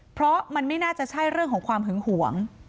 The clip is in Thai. เพราะมันไม่น่าจะใช่เรื่องของความหึงหวง